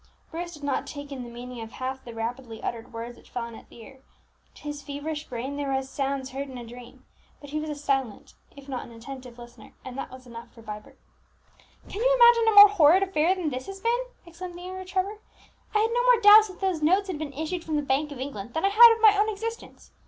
Bruce did not take in the meaning of half the rapidly uttered words which fell on his ear, to his feverish brain they were as sounds heard in a dream; but he was a silent if not an attentive listener, and that was enough for Vibert. "Can you imagine a more horrid affair than this has been?" exclaimed the younger Trevor. "I had no more doubt that those notes had been issued from the Bank of England than I had of my own existence.